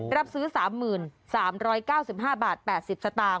รับซื้อสามหมื่นสามร้อยเก้าสิบห้าบาทแปดสิบสตางค์